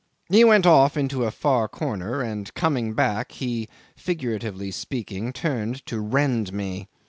He went off into a far corner, and coming back, he, figuratively speaking, turned to rend me.